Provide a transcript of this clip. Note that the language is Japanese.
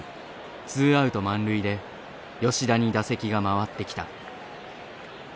ツーアウト満塁で吉田に打席が回ってきた。